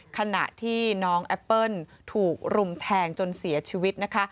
ขณะที่น้องแอปเปิ้ลถูกรุมแทงจนเสียชีวิตนะคะ